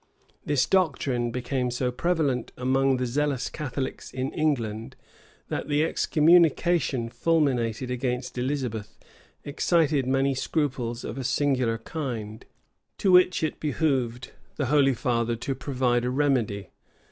This doctrine became so prevalent among the zealous Catholics in England, that the excommunication fulminated against Elizabeth excited many scruples of a singular kind, to which it behoved the holy father to provide a remedy.